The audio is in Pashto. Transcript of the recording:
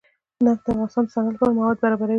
نفت د افغانستان د صنعت لپاره مواد برابروي.